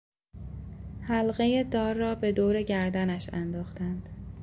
حلقهی دار را به دور گردنش انداختند.